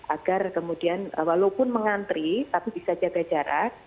agar kemudian walaupun mengantri tapi bisa jaga jarak